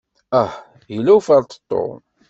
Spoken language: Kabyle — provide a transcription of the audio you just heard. Ah, yella uferṭeṭṭu!